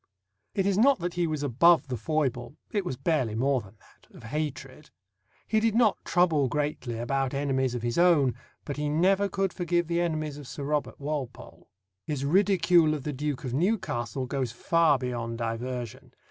It is not that he was above the foible it was barely more than that of hatred. He did not trouble greatly about enemies of his own, but he never could forgive the enemies of Sir Robert Walpole. His ridicule of the Duke of Newcastle goes far beyond diversion.